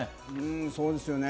そうですね。